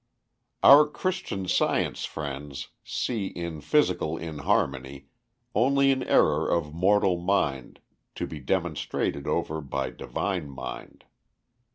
Our Christian Science friends see in physical inharmony only an error of mortal mind, to be demonstrated over by divine mind.